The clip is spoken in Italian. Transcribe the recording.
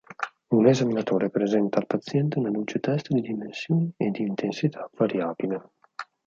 Un esaminatore presenta al paziente una luce test di dimensioni e di intensità variabile.